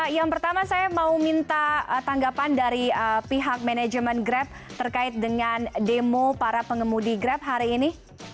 yang pertama saya mau minta tanggapan dari pihak manajemen grab terkait dengan demo para pengemudi grab hari ini